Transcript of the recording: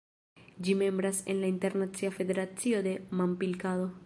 Ĝi membras en la Internacia Federacio de Manpilkado.